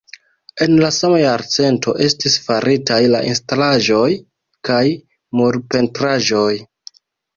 En la sama jarcento estis faritaj la instalaĵoj kaj murpentraĵoj.